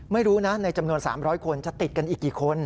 ไม่รู้นะในจำนวน๓๐๐คนจะติดกันอีกกี่คน